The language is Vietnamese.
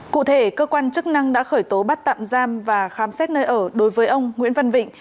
cụ thể cơ quan chức năng đã khởi tố bắt tạm giam và khám xét nơi ở đối với ông nguyễn văn vịnh